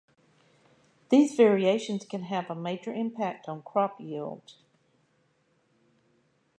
These variations can have a major impact on crop yield.